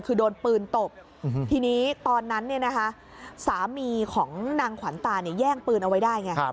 คือโดนปืนตบทีนี้ตอนนั้นสามีของนางขวัญตาแย่งปืนเอาไว้ได้ไง